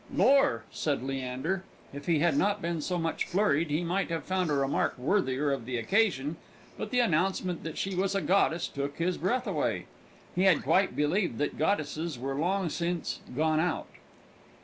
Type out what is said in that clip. "Lor!" said Leander. If he had not been so much flurried, he might have found a remark worthier of the occasion, but the announcement that she was a goddess took his breath away. He had quite believed that goddesses were long since "gone out."